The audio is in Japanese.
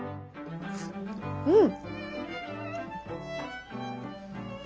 うん！